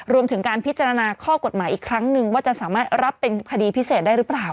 รวมถึงการพิจารณาข้อกฎหมายอีกครั้งนึงว่าจะสามารถรับเป็นคดีพิเศษได้หรือเปล่า